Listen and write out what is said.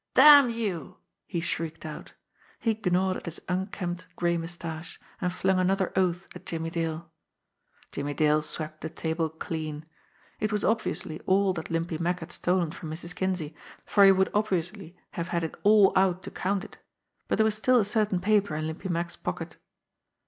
"Damn you!" he shrieked out. He gnawed at his un kempt gray moustache, and flung another oath at Jimmie Dale. Jimmie Dale swept the table clean. It was obviously all that Limpy Mack had stolen from Mrs. Kinsey, for he would obviously have had it all out to count it but there was still a certain paper in Limpy Mack's pocket.